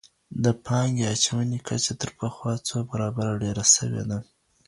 د پانګې اچونې کچه تر پخوا څو برابره ډېره سوي وه.